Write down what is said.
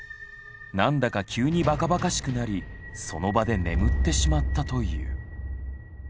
何だか急にバカバカしくなりその場で眠ってしまったという。